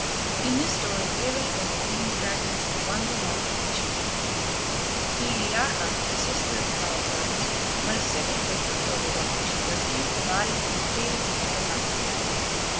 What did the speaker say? In this story Pele overcame the dragons and won the love of the chief. Hiiaka, the sister of the fire goddess, won a second victory over them when she rescued a body from the cave and brought it back to life.